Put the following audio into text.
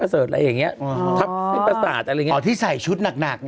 เสิร์ตอะไรอย่างเงี้ทับให้ประสาทอะไรอย่างเงี้อ๋อที่ใส่ชุดหนักหนัก